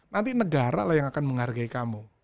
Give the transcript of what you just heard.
nanti negara lah yang akan menghargai kamu